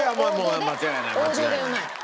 間違いない。